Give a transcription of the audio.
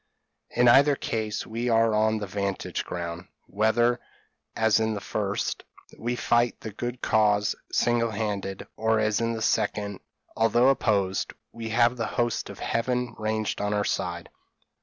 In either case we are on the 'vantage ground, whether, as in the first, we fight the good cause single handed, or as in the second, although opposed, we have the host of Heaven ranged on our side.